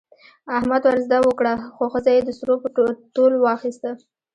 احمد وزده وکړه، خو ښځه یې د سرو په تول واخیسته.